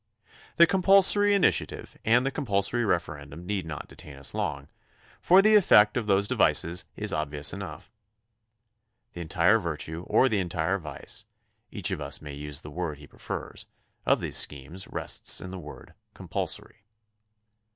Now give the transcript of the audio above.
The compulsory initiative and the compulsory referendum need not detain us long, for the effect of 58 THE CONSTITUTION AND ITS MAKERS those devices is obvious enough. The entire virtue or the entire vice — each of us may use the word he pre fers — of these schemes rests in the word "compul sory."